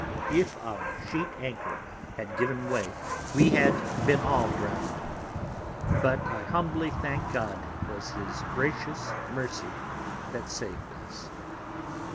If our sheet Anchor had given way, we had been all drown'd: But I humbly thank God, it was his gracious Mercy that saved us.